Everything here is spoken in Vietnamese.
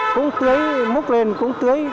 cũng tưới múc lên cũng tưới